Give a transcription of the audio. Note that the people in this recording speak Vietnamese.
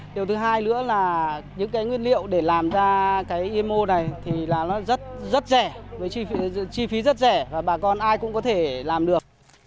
điều thứ hai nữa là những nguyên liệu để làm ra imo này rất rẻ chi phí rất rẻ và bà con ai cũng có thể làm được